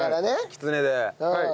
きつねで。